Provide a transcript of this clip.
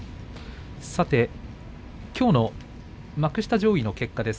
きょうの幕下上位の結果です。